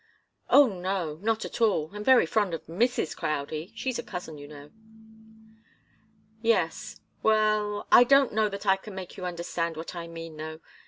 "Oh, no not at all. I'm very fond of Mrs. Crowdie. She's a cousin, you know." "Yes. Well I don't know that I can make you understand what I mean, though.